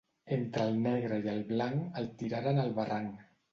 Entre el negre i el blanc, el tiraren al barranc.